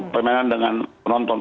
permainan dengan penonton